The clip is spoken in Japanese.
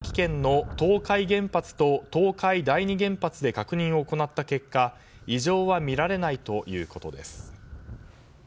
一方日本原子力発電によりますと茨城県の東海原発と東海第二原発で確認を行った結果異常は見られないということです。